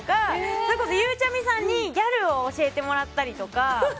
それこそ、ゆうちゃみさんにギャルを教えてもらったりとか。